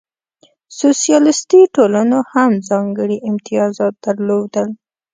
سوسیالیستي ټولنو هم ځانګړې امتیازات درلودل.